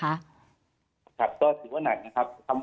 คับก็สิว่านักนะครับ